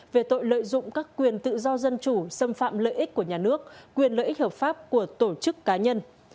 về tội lợi dụng các quyền tự do dân chủ xâm phạm lợi ích của nhà nước quyền lợi ích hợp pháp của tổ chức cá nhân